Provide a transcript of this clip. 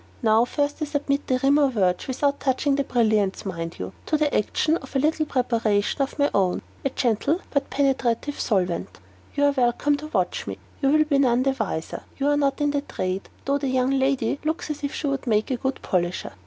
Now first I submit the rim or verge, without touching the brilliants, mind you, to the action of a little preparation of my own a gentle but penetrative solvent. You are welcome to watch me; you will be none the wiser; you are not in the trade, though the young lady looks as if she would make a good polisher.